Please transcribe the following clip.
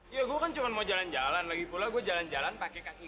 ya gue kan cuma mau jalan jalan lagipula gue jalan jalan pakai kursi